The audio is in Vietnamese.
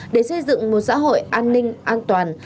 để xây dựng một xã hội an ninh an toàn